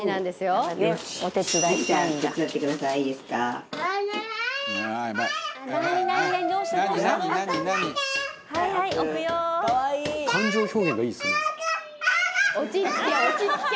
藤本：落ち着け、落ち着け！